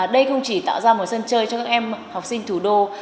đây không chỉ tạo ra một sân chơi cho các em học sinh thủ đô